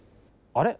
あれ？